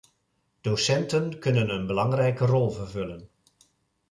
Docenten kunnen een belangrijke rol vervullen.